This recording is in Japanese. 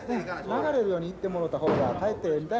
流れるように行ってもろた方がかえって。